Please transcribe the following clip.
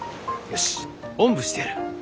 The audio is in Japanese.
よしおんぶしてやる。